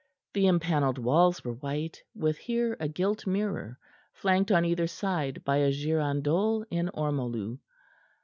The empanelled walls were white, with here a gilt mirror, flanked on either side by a girandole in ormolu.